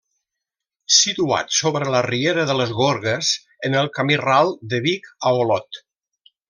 Situat sobre la riera de les Gorgues, en el camí ral de Vic a Olot.